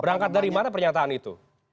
berangkat dari mana pernyataan itu